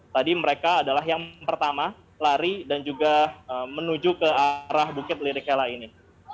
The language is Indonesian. tadi mereka adalah yang pertama lari dan juga menuju ke arah bukit lirikela ini